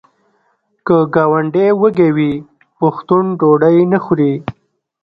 که ګاونډی وږی وي پښتون ډوډۍ نه خوري.